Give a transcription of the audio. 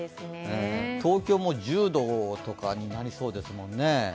東京も１０度とかになりそうですもんね。